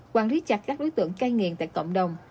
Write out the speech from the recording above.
quản lý chặt các đối tượng cai nghiện tại cộng đồng